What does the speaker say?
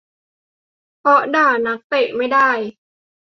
เพราะด่านักเตะไม่ได้